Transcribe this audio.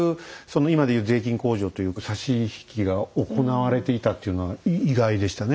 今で言う税金控除というか差し引きが行われていたっていうのは意外でしたね。